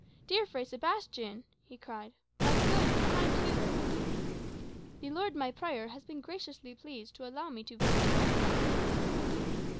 "Dear Fray Sebastian!" he cried; "my good, kind tutor!" "My lord the prior has been graciously pleased to allow me to visit your Excellency."